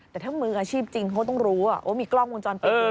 แต่ถ้ามืออาชีพจริงเขาต้องรู้ว่ามีกล้องวงจรปิด